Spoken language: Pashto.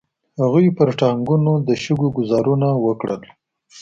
هغوی پر ټانګونو د شګو ګوزارونه وکړل.